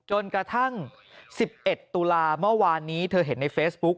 จนกระทั่ง๑๑ตุลาเมื่อวานนี้เธอเห็นในเฟซบุ๊ก